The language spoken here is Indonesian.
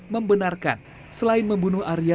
membenarkan selain membunuh arya